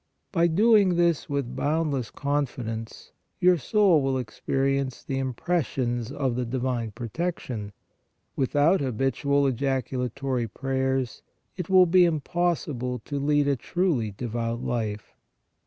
By doing this with boundless confidence your soul will experience the impressions of the divine protection. Without habitual ejacu latory prayers it will be impossible to lead a truly devout life."